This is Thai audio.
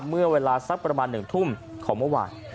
เมื่อเวลาสักประมาณ๑ทุ่มของเมื่อวาน